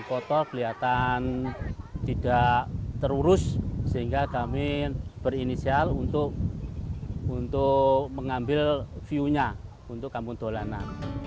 kota kelihatan tidak terurus sehingga kami berinisial untuk mengambil view nya untuk kampung dolanan